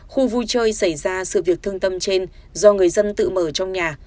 khu vui chơi xảy ra sự việc thương tâm trên do người dân tự mở trong nhà